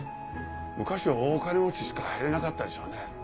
昔は大金持ちしか入れなかったでしょうね。